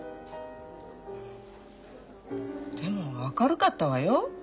でも明るかったわよ。